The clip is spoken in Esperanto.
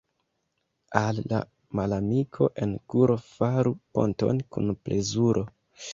Al la malamiko en kuro faru ponton kun plezuro.